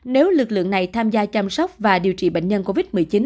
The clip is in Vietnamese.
nếu lực lượng này tham gia chăm sóc và điều trị bệnh nhân covid một mươi chín